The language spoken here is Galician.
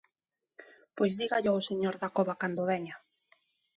Pois dígallo ao señor Dacova cando veña.